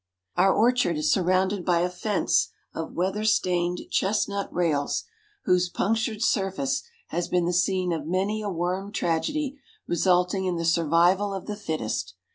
Our orchard is surrounded by a fence of weather stained chestnut rails, whose punctured surface has been the scene of many a worm tragedy resulting in the survival of the fittest.